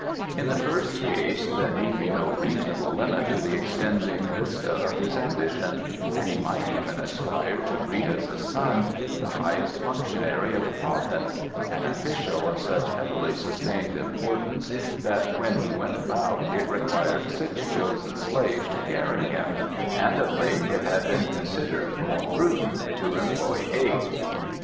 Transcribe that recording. In the first case there need be no reasonable limit to the extending vista of his ambition, and he might even aspire to greet as a son the highest functionary of the province an official of such heavily sustained importance that when he went about it required six chosen slaves to carry him, and of late it had been considered more prudent to employ eight.